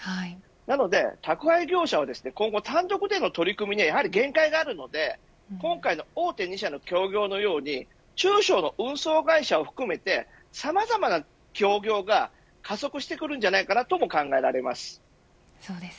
なので宅配業者は今後単独での取り組みにはやはり限界があるので今回の大手２社の協業のように中小の運送会社を含めてさまざまな協業が加速してくるのではないかと考えられます。